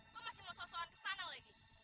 lo masih mau so soan kesana lagi